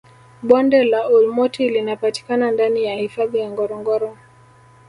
bonde la olmoti linapatikana ndani ya hifadhi ya ngorongoro